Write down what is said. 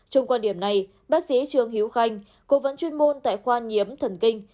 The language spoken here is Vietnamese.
trong quan điểm này bác sĩ trương hiếu khanh cố vấn chuyên môn tại khoa nhiễm thần kinh